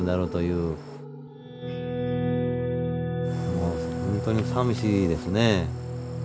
もうほんとにさみしいですね。